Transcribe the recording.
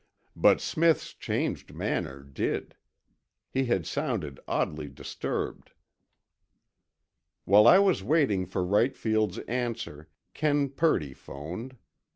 But Smith's changed manner did. He had sounded oddly disturbed. While I was waiting for Wright Field's answer, Ken Purdy phoned.